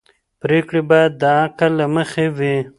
پرېکړې باید د عقل له مخې وي